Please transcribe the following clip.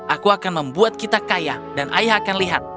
aku akan membuat kita kaya dan ayah akan lihat